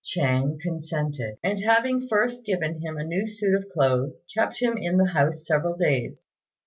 Chêng consented, and having first given him a new suit of clothes, kept him in the house several days.